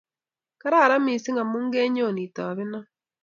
Kararan mising' amu kenyo itobeno